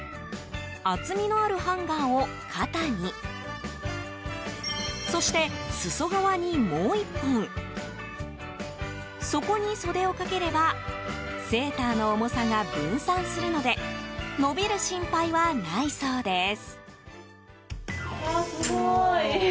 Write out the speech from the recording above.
厚みのあるハンガーを肩にそして裾側にもう１本そこに袖をかければセーターの重さが分散するので伸びる心配はないそうです。